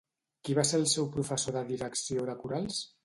Qui va ser el seu professor de direcció de corals?